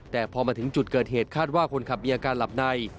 แต่พอมาถึงจุดเกิดเหตุคาดว่าคนขับมีอาการหลับใน